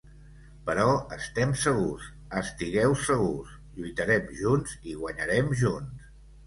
Però estem segurs, estigueu segurs: lluitarem junts i guanyarem junts.